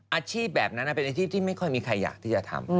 อาชีพแบบนั้นเป็นอาชีพที่ไม่ค่อยมีใครอยากที่จะทำ